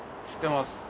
知ってます。